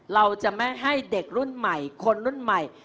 เราจะไม่ให้เด็กรุ่นใหม่คนรุ่นใหม่